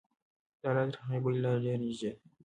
دا لاره تر هغې بلې لارې ډېره نږدې ده.